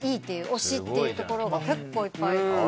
推しってところが結構いっぱいありまして。